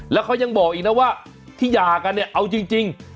แล้วเขายังบอกอีกนะว่าที่หย่ากันเนี่ยเอาจริง